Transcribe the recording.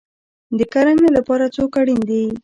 د کرنې لپاره څوک اړین دی؟